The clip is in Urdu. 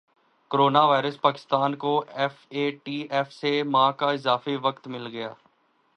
کورونا وائرس پاکستان کو ایف اے ٹی ایف سے ماہ کا اضافی وقت مل گیا